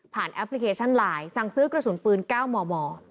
แอปพลิเคชันไลน์สั่งซื้อกระสุนปืน๙มม